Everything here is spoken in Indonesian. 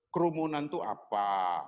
kerumunan itu apa